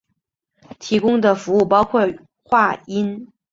提供的服务包括话音。